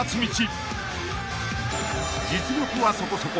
［実力はそこそこ。